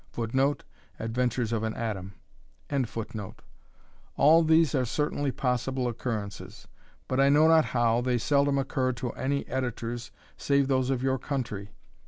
[Footnote: Adventures of an Atom.] All these are certainly possible occurrences; but, I know not how, they seldom occur to any Editors save those of your country.